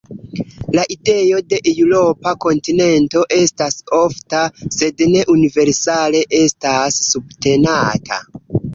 La ideo de eŭropa "kontinento" estas ofta, sed ne universale estas subtenata.